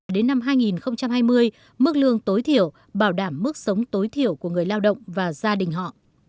đến năm hai nghìn hai mươi mức lương tối thiểu bảo đảm mức sống tối thiểu của người lao động và gia đình họ